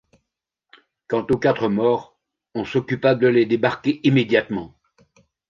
Quant aux quatre morts, on s’occupa de les débarquer immédiatement.